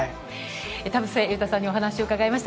田臥勇太さんにお話を伺いました。